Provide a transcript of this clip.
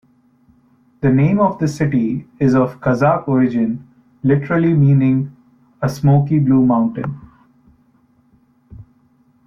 The name of the city is of Kazakh origin literally meaning "a smoky-blue mountain".